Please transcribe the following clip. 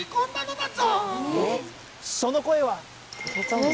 その声は。